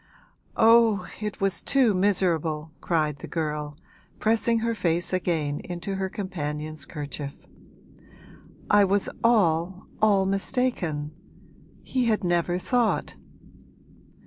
'Oh, it was too miserable!' cried the girl, pressing her face again into her companion's kerchief. 'I was all, all mistaken; he had never thought!'